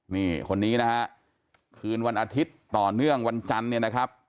นี่คนนี้นะฮะคืนวันอาทิตย์ต่อเนื่องวันจันทร์เนี่ยนะครับ